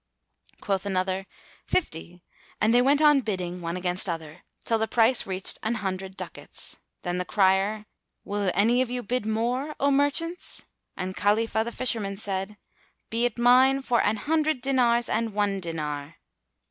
Quoth another, "Fifty," and they went on bidding, one against other, till the price reached an hundred ducats. Then said the crier, "Will any of you bid more, O merchants?" And Khalifah the Fisherman said, "Be it mine for an hundred dinars and one dinar."